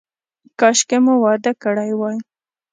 کاشکې مو واده کړی وای.